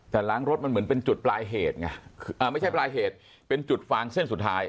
แต่ล้างรถมันเหมือนเป็นจุดปลายเหตุไงอ่าไม่ใช่ปลายเหตุเป็นจุดฟางเส้นสุดท้าย